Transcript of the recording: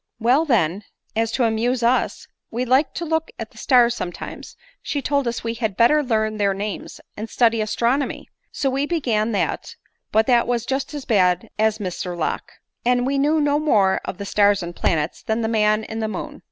" Well, then ; as, to amuse us we liked to look at the I ' stars sometimes, she told we had better learn their names, ' and study astronomy ; and so we began that, but that was just as bad as Mr Locke; and we knew no more of the stars and planets, than the man in the moon.